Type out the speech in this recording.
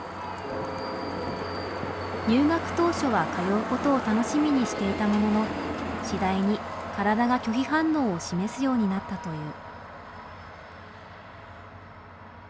入学当初は通うことを楽しみにしていたものの次第に体が拒否反応を示すようになったという。